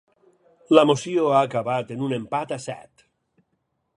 La moció ha acabat en un empat a set.